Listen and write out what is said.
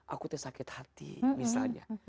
aku tuh sakit hati misalnya